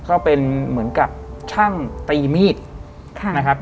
เขาเป็นเหมือนกับช่างตีมีดนะครับ